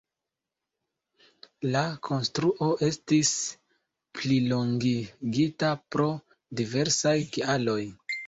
La konstruo estis plilongigita pro diversaj kialoj.